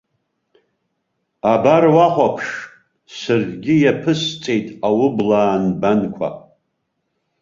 Абар уахәаԥш, саргьы иаԥысҵеит аублаа нбанқәа!